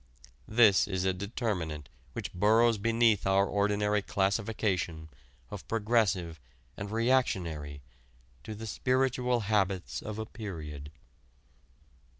This is a determinant which burrows beneath our ordinary classification of progressive and reactionary to the spiritual habits of a period.